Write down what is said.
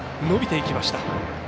伸びていきました。